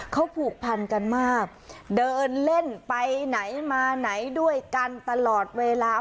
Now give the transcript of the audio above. เขาผูกพันกันมากเดินเล่นไปไหนมาไหนด้วยกันตลอดเวลา